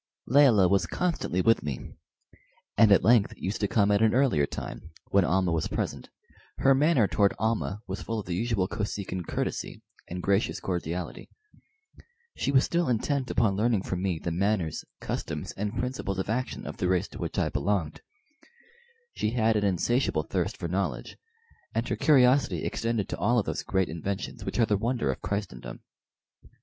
Layelah was constantly with me, and at length used to come at an earlier time, when Almah was present. Her manner toward Almah was full of the usual Kosekin courtesy and gracious cordiality. She was still intent upon learning from me the manners, customs, and principles of action of the race to which I belonged. She had an insatiable thirst for knowledge, and her curiosity extended to all of those great inventions which are the wonder of Christendom.